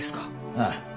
ああ。